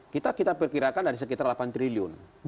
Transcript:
kita kita perkirakan dari sekitar delapan triliun